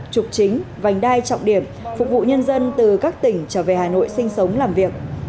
trục chính vành đai trọng điểm phục vụ nhân dân từ các tỉnh trở về hà nội sinh sống làm việc